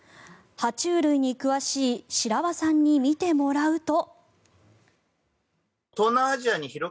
爬虫類に詳しい白輪さんに見てもらうと。